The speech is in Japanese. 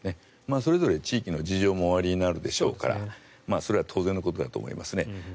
それぞれ地域の事情もおありになるでしょうからそれは当然のことだと思いますね。